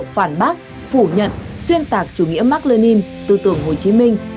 phản bác phủ nhận xuyên tạc chủ nghĩa mạc lê ninh tư tưởng hồ chí minh